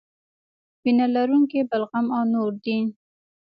وینه لرونکي بلغم او نور دي.